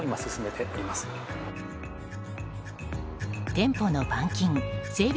店舗の板金・整備